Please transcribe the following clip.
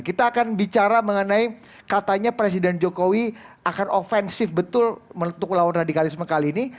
kita akan bicara mengenai katanya presiden jokowi akan ofensif betul meletuk lawan radikalisme kali ini